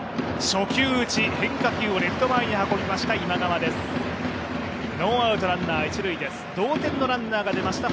初球打ち、変化球をレフト前に運びました